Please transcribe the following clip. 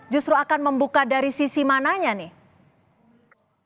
justru akan membuka dari sisi mananya nih